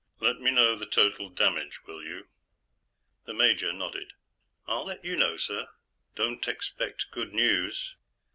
Let me know the total damage, will you?" The major nodded. "I'll let you know, sir. Don't expect good news."